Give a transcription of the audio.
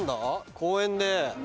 公園で。